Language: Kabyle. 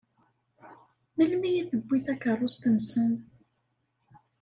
Melmi i tewwi takeṛṛust-nsen?